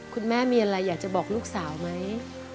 คุณแม่มีอะไรอยากจะบอกลูกสาวไหม